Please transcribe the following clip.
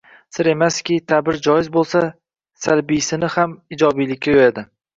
Sir emaski, ta`bir joiz bo`lsa, salbiysini ham ijobiylikka yo`yadi